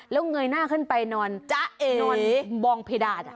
แล้วเงยหน้าขึ้นไปนอนจ๊ะเอนอนมองเพดาน